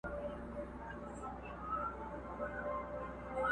لا رواني دي جوپې د شهيدانو؛